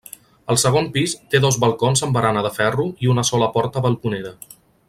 El segon pis té dos balcons amb barana de ferro i una sola porta balconera.